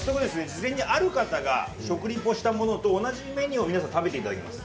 事前にある方が食リポしたものと同じメニューを皆さん食べて頂きます。